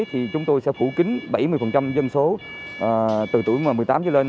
thì chúng tôi sẽ phủ kính bảy mươi dân số từ tuổi một mươi tám trở lên